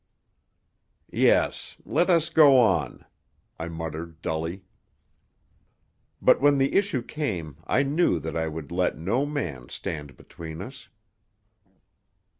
"Yes, let us go on," I muttered dully. But when the issue came I knew that I would let no man stand between us.